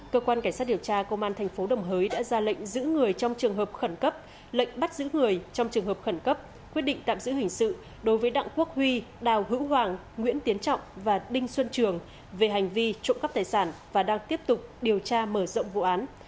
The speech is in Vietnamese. cơ quan cảnh sát điều tra công an thành phố đồng hới đã ra lệnh giữ người trong trường hợp khẩn cấp lệnh bắt giữ người trong trường hợp khẩn cấp quyết định tạm giữ hình sự đối với đặng quốc huy đào hữu hoàng nguyễn tiến trọng và đinh xuân trường về hành vi trộm cắp tài sản và đang tiếp tục điều tra mở rộng vụ án